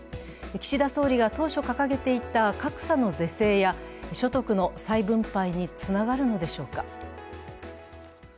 岸田総理が当初掲げていた格差の是正や所得の再分配につながるのでしょうか。